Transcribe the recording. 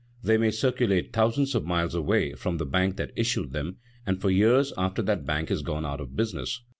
They may circulate thousands of miles away from the bank that issued them, and for years after that bank has gone out of business.